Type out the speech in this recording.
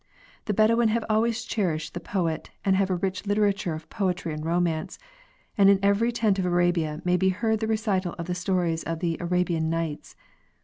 The bedouin have always cherished the poet and have a rich literature of poetry and romance, and in every tent of Arabia may be heard the recital of the stories of the "Arabian Nights."